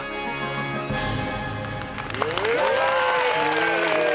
すごい。